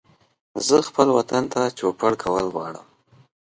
زه خپل وطن ته چوپړ کول غواړم